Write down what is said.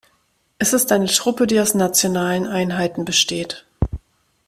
Es ist eine Truppe, die aus nationalen Einheiten besteht.